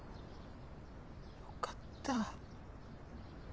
よかった。